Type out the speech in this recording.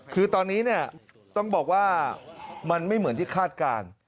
คือตอนนี้เนี่ยต้องบอกว่ามันไม่เหมือนที่คาดการณ์